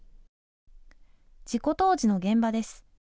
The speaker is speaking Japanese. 事故当時の現場です。